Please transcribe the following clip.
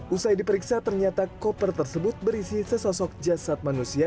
usai diperiksa ternyata koper tersebut berisi sesosok jasad manusia